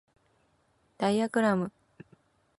ダイアグラム